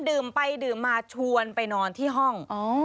ดื่มไปดื่มมาชวนไปนอนที่ห้อง